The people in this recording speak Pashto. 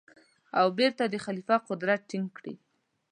او بېرته د خلیفه قدرت ټینګ کړي.